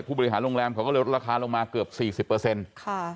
ผู้บริหารโรงแรมเขาก็เลยลดราคาลงมาเกือบสี่สิบเปอร์เซ็นต์ค่ะ